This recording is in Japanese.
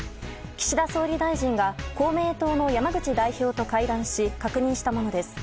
岸田総理大臣が公明党の山口代表と会談し確認したものです。